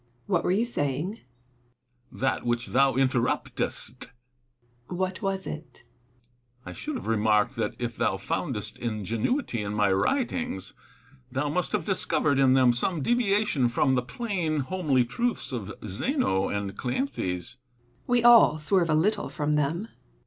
What were you saying ? Epictetus. That which thou interruptedst. Seneca. What was it 1 EPICTETUS AND SENECA. 17 Epictetus. I should have remarked that, if thou foundest ingenuity in my writings, thou must have discovered in them some deviation from the plain, homely truths of Zeno and Cleanthes. Seneca. We all swerve a little from them.